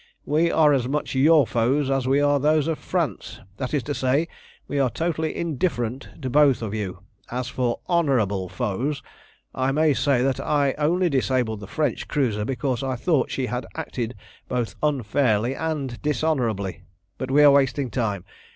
We are as much your foes as we are those of France, that is to say, we are totally indifferent to both of you. As for honourable foes, I may say that I only disabled the French cruiser because I thought she had acted both unfairly and dishonourably. But we are wasting time.